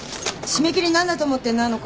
締め切り何だと思ってんの？